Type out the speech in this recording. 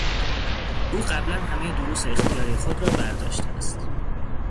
او قبلا همهی دروس اختیاری خود را برداشته است.